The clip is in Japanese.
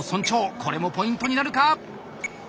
これもポイントになるか？